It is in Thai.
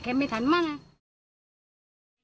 แค่ไม่ทันมาก